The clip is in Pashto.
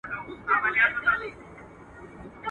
په يوه ماهي ټوله تالاو مردارېږي.